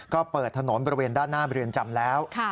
ก็เปิดถนนบริเวณด้านหน้าเรือนจำแล้ว